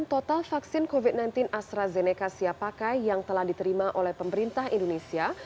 total vaksin covid sembilan belas astrazeneca siap pakai yang telah diterima oleh pemerintah indonesia